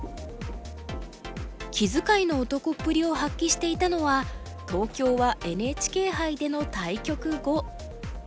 気遣いの男っぷりを発揮していたのは東京はＮＨＫ杯での対局後。